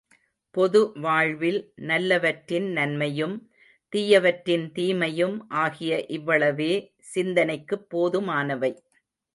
பொதுவாழ்வில் நல்லவற்றின் நன்மையும், தீயவற்றின் தீமையும் ஆகிய இவ்வளவே சிந்தனைக்குப் போதுமானவை.